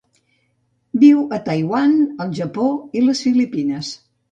Viu a Taiwan, el Japó i les Filipines.